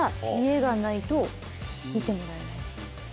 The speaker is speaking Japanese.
がないと診てもらえない。